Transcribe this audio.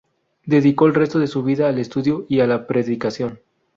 Dedicó el resto de su vida al estudió y a la predicación.